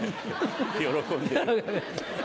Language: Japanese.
喜んでる。